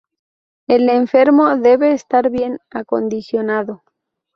El enfermo debe estar bien acondicionado.